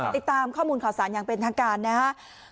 ติดตามข้อมูลข่าวสารอย่างเป็นทางการนะครับ